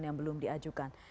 yang belum diajukan